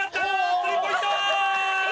スリーポイント。